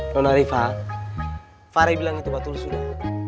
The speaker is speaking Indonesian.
nona rifa faril bilang itu betul sudah